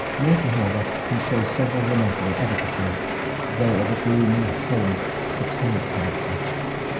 Merthyr, however, can show several remarkable edifices, though of a gloomy, horrid Satanic character.